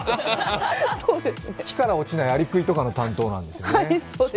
木から落ちないアリクイとかの担当なんですよね。